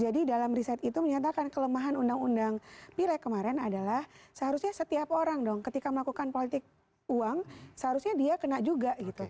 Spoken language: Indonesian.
jadi dalam riset itu menyatakan kelemahan undang undang pilek kemaren adalah seharusnya setiap orang dong ketika melakukan politik uang seharusnya dia kena juga gitu